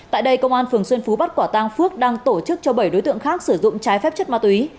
tại đây công an phường xuân phú bắt quả tang phước đang tổ chức cho bảy đối tượng khác sử dụng trái phép chất ma túy